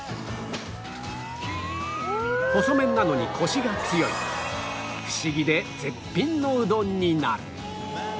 細麺なのにコシが強いフシギで絶品のうどんになる